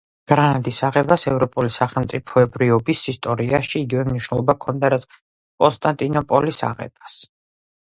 გრანადის აღებას ევროპული სახელმწიფოებრიობის ისტორიაში იგივე მნიშვნელობა ჰქონდა რაც კონსტანტინოპოლის აღებას.